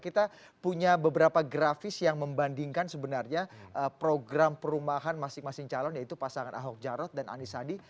kita punya beberapa grafis yang membandingkan sebenarnya program perumahan masing masing calon yaitu pasangan ahok jarot dan anissadi